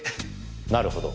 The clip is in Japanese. なるほど。